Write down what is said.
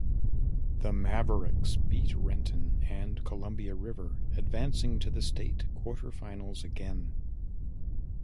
The Mavericks beat Renton and Columbia River advancing to the state quarterfinals again.